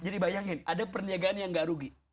jadi bayangin ada perniagaan yang gak rugi